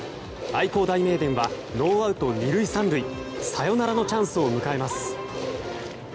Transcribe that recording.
愛工大名電はノーアウト２塁３塁サヨナラのチャンスを迎えます。